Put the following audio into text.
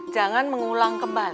jangan mengulang kembali